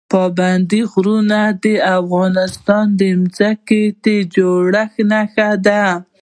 پابندي غرونه د افغانستان د ځمکې د جوړښت نښه ده.